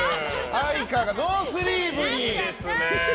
愛花がノースリーブに！